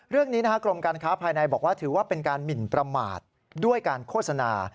เรื่องนี้กรมการค้าภายในบอกว่าถือว่าเป็นการหมินประมาทด้วยการโฆษณา